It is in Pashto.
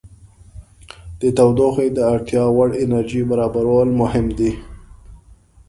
د تودوخې د اړتیا وړ انرژي برابرول مهم دي.